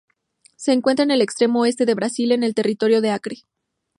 Se encuentra en el extremo oeste de Brasil en el territorio de Acre.